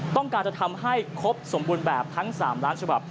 ต้องการจะทำให้ครบสมบูรณ์แบบทั้ง๓ล้านฉบับ